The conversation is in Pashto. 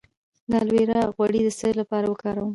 د الوویرا غوړي د څه لپاره وکاروم؟